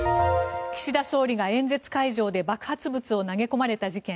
岸田総理が演説会場で爆発物を投げ込まれた事件。